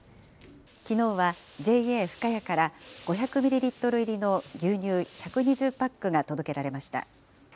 きのうはＪＡふかやから、５００ミリリットル入りの牛乳１２０パックが届けられました。